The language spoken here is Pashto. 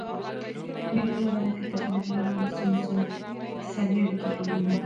د مېلو له برکته خلک له نورو سیمو سره اقتصادي اړیکي جوړوي.